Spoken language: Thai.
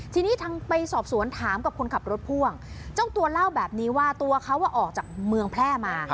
ทีนี้ทางไปสอบสวนถามกับคนขับรถพ่วงเจ้าตัวเล่าแบบนี้ว่าตัวเขาออกจากเมืองแพร่มา